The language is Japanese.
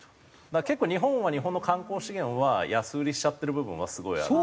結構日本の観光資源は安売りしちゃってる部分はすごいある。